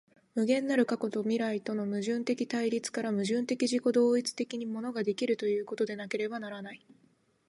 無限なる過去と未来との矛盾的対立から、矛盾的自己同一的に物が出来るということでなければならない。